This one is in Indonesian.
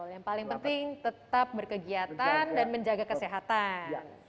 yang paling penting tetap berkegiatan dan menjaga kesehatan